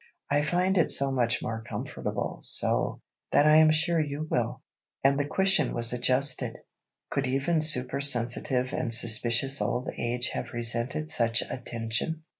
I find it so much more comfortable so, that I am sure you will." And the cushion was adjusted. Could even supersensitive and suspicious Old Age have resented such attention?